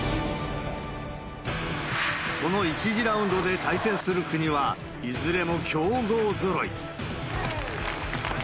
その１次ラウンドで対戦する国は、いずれも強豪ぞろい。